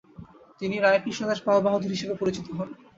তিনি "রায় কৃষ্ণদাস পাল বাহাদুর" হিসাবে পরিচিত হন।